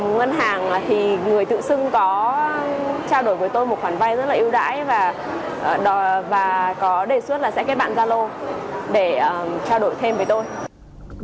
ngân hàng thì người tự xưng có trao đổi với tôi một khoản vay rất là ưu đãi và có đề xuất là sẽ kết bạn gia lô để trao đổi thêm với tôi